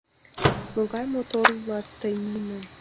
Могай мотор улат тый, Нина!